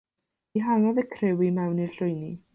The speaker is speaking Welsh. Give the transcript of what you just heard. Dihangodd y criw i mewn i'r llwyni.